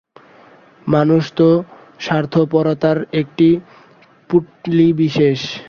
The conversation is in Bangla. মানুষ তো স্বার্থপরতার একটি পুঁটলি বিশেষ।